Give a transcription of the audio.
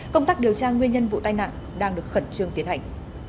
công tác điều tra nguyên nhân vụ tai nạn đang được khẩn trương tiến hành